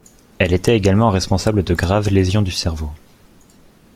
Elle était également responsable de graves lésions du cerveau.